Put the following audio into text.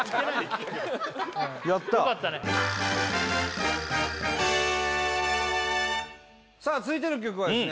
やったよかったねさあ続いての曲はですね